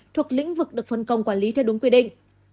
thuộc lĩnh vực được phân công quản lý theo đúng quy định